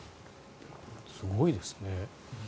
すごいですね。